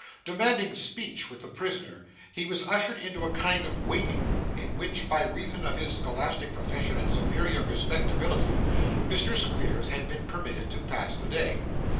Demanding speech with the prisoner, he was ushered into a kind of waiting room in which, by reason of his scholastic profession and superior respectability, Mr. Squeers had been permitted to pass the day.